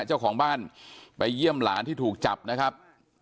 เจ้าของบ้านไปเยี่ยมหลานที่ถูกจับนะครับ